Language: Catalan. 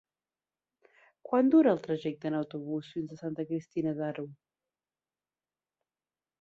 Quant dura el trajecte en autobús fins a Santa Cristina d'Aro?